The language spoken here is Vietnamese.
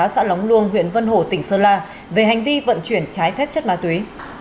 xã lóng luông huyện vân hồ tỉnh sơn la về hành vi vận chuyển trái phép chất ma túy